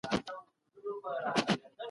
ټولنه بايد د وګړو ملاتړ وکړي.